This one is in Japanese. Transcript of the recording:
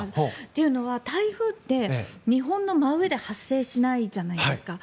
というのは台風って日本の真上で発生しないじゃないですか。